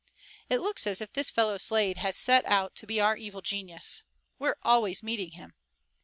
"It looks as if this fellow Slade had set out to be our evil genius. We're always meeting him."